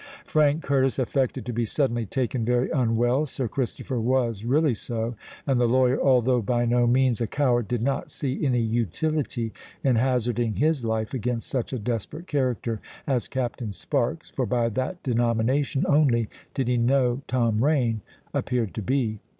Frank Curtis affected to be suddenly taken very unwell: Sir Christopher was really so; and the lawyer, although by no means a coward, did not see any utility in hazarding his life against such a desperate character as Captain Sparks (for by that denomination only did he know Tom Rain) appeared to be.